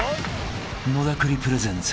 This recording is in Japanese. ［野田クリプレゼンツ